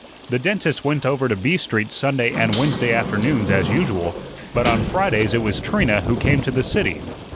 The dentist went over to B Street Sunday and Wednesday afternoons as usual; but on Fridays it was Trina who came to the city.